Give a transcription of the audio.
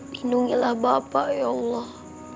lindungilah bapak ya allah